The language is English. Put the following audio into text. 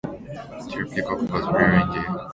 Tillie Peacock was real indignant.